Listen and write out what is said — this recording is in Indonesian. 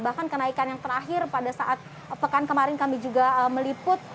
bahkan kenaikan yang terakhir pada saat pekan kemarin kami juga meliput